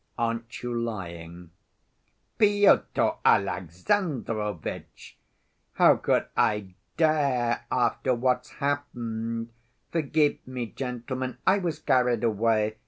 Aren't you lying?" "Pyotr Alexandrovitch! How could I dare after what's happened! Forgive me, gentlemen, I was carried away!